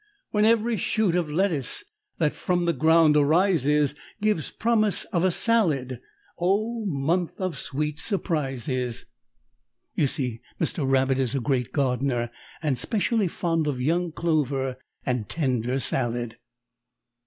When every shoot of lettuce That from the ground arises Gives promise of a salad Oh, month of sweet surprises! You see Mr. Rabbit is a great gardener, and specially fond of young clover and tender salad.